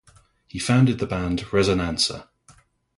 He founded the band Rezonansa.